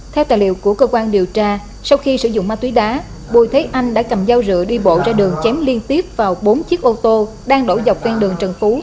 theo tài liệu của cơ quan điều tra sau khi sử dụng ma túy đá bùi thế anh đã cầm dao rượu đi bộ ra đường chém liên tiếp vào bốn chiếc ô tô đang đổ dọc ven đường trần phú